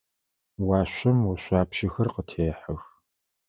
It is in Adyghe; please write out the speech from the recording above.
Уашъом ошъуапщэхэр къытехьэх.